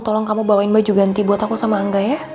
tolong kamu bawain baju ganti buat aku sama angga ya